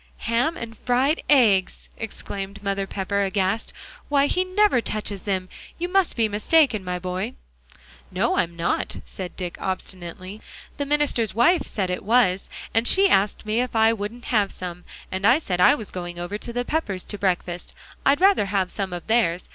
"Ham and fried eggs!" exclaimed Mother Pepper, aghast. "Why, he never touches them. You must be mistaken, my boy." "No, I'm not," said Dick, obstinately. "The minister's wife said it was, and she asked me if I wouldn't have some, and I said I was going over to the Peppers to breakfast; I'd rather have some of theirs.